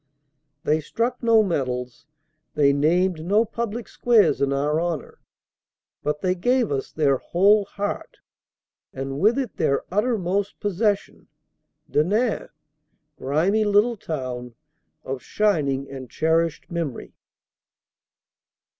They struck no medals, they named no public squares in our honor, but they gave us their whole heart, and with it their uttermost possession Denain, grimy little town, of shining and cherished memory.